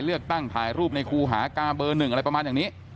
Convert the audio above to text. เลือกตั้งถ่ายรูปในครูหากาเบอร์๑อะไรประมาณอย่างนี้